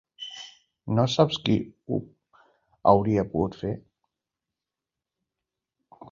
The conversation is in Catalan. No saps qui ho hauria pogut fer?